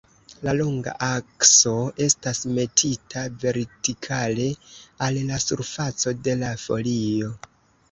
La longa akso estas metita vertikale al la surfaco de la folio.